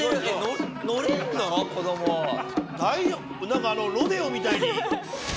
なんかロデオみたいに。